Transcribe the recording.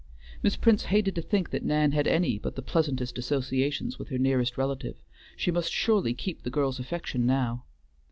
Miss Prince hated to think that Nan had any but the pleasantest associations with her nearest relative; she must surely keep the girl's affection now.